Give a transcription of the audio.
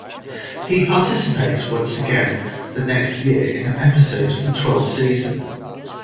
He participates once again the next year in an episode of the twelfth season.